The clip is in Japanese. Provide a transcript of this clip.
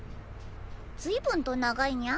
随分と長いにゃ。